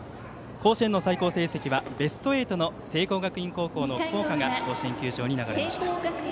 甲子園の最高成績はベスト８の聖光学院高校の校歌が甲子園球場に流れました。